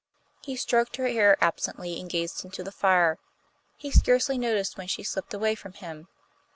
He stroked her hair absently, and gazed into the fire. He scarcely noticed when she slipped away from him.